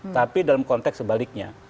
tapi dalam konteks sebaliknya